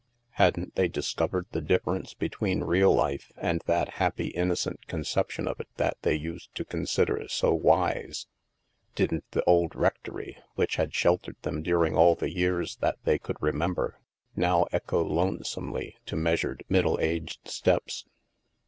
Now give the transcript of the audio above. Hadn't they discovered the difference between real life and that happy innocent conception of it that they used to consider so wise? Didn't the old rectory, which had sheltered them during all the years that they could remember, now echo lonesomely to measured middle aged steps?